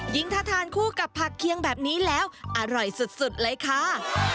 ถ้าทานคู่กับผักเคียงแบบนี้แล้วอร่อยสุดเลยค่ะ